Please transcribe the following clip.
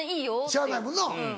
しゃあないもんな。